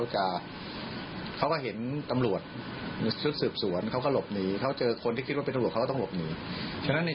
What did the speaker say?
ช่วงเวลาที่เขาหลบหนี